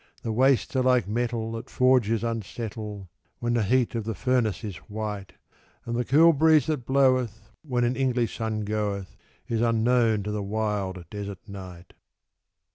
The wastes are like metal that forges unsettle When the heat of the furnace is white; And the cool breeze that bloweth when an English sun goeth, Is unknown to the wild desert night.